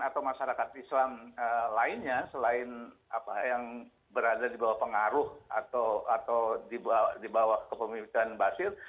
atau masyarakat islam lainnya selain apa yang berada di bawah pengaruh atau di bawah kepemilikan basir